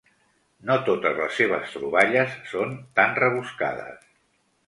No totes les seves troballes són tan rebuscades.